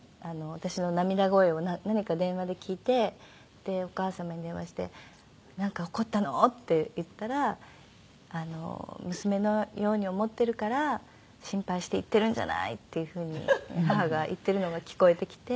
私の涙声を何か電話で聞いてでお義母様に電話して「なんか怒ったの？」って言ったら「娘のように思ってるから心配して言ってるんじゃない！」っていう風に義母が言ってるのが聞こえてきて。